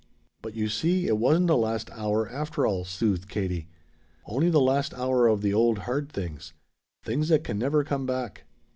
"But you see it wasn't a last hour, after all," soothed Katie. "Only the last hour of the old hard things. Things that can never come back."